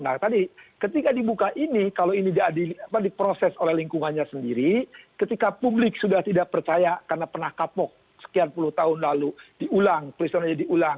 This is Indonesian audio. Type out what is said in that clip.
nah tadi ketika dibuka ini kalau ini diproses oleh lingkungannya sendiri ketika publik sudah tidak percaya karena pernah kapok sekian puluh tahun lalu diulang peristiwanya diulang